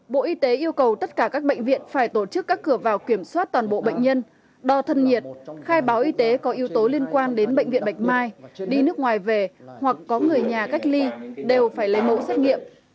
bộ y tế yêu cầu tất cả các bệnh viện phải tổ chức các cửa vào kiểm soát toàn bộ bệnh nhân đo thân nhiệt khai báo y tế có yếu tố liên quan đến bệnh viện bạch mai đi nước ngoài về hoặc có người nhà cách ly đều phải lấy mẫu xét nghiệm